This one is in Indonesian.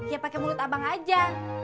ya pakai mulut abang aja